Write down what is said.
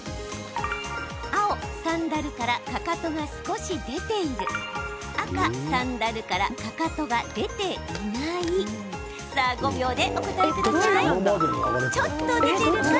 青・サンダルからかかとが少し出ている赤・サンダルからかかとが出ていないさあ、５秒でお答えください。